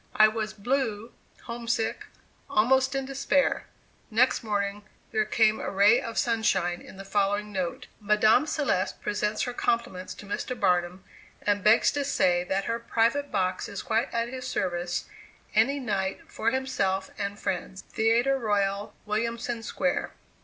I was "blue," homesick, almost in despair. Next morning, there came a ray of sunshine in the following note: "Madame CELESTE presents her compliments to Mr. Barnum, and begs to say that her private box is quite at his service, any night, for himself and friends. "Theatre Royal, Williamson Square."